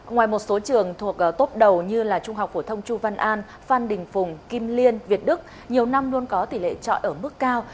ngoài một số trường thuộc tốp đầu như trung học phổ thông chu văn an phan đình phùng kim liên việt đức nhiều năm luôn có tỷ lệ trọi ở mức cao